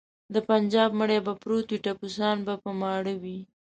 د بنجاب مړی به پروت وي ټپوسان به په ماړه وي.